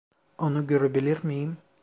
Onu görebilir miyim?